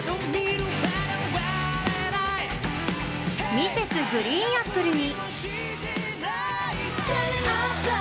Ｍｒｓ．ＧＲＥＥＮＡＰＰＬＥに。